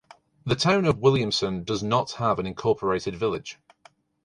The town of Williamson does not have an incorporated village.